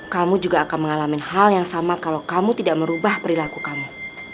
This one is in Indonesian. kamu juga akan mengalami hal yang sama kalau kamu tidak merubah perilaku kamu